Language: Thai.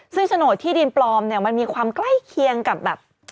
ซึ่งโฉนดที่ดินปลอมเนี่ยมันมีความใกล้เคียงกับแบบ